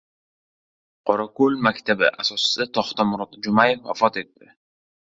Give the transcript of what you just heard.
"Qorako‘l maktabi" asoschisi To‘xtamurod Jumaev vafot etdi